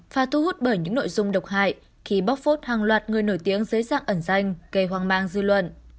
và thu hút bởi những nội dung độc hại khi bóc phốt hàng loạt người nổi tiếng dưới dạng ẩn danh gây hoang mang dư luận